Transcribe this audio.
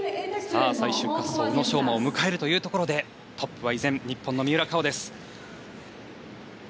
最終滑走宇野昌磨を迎えるところでトップは依然日本の三浦佳生です。